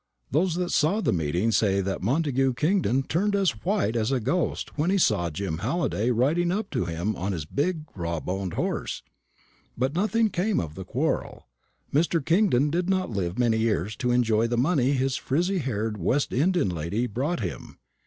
Those that saw the meeting say that Montagu Kingdon turned as white as a ghost when he saw Jim Halliday riding up to him on his big, raw boned horse; but nothing came of the quarrel. Mr. Kingdon did not live many years to enjoy the money his frizzy haired West Indian lady brought him.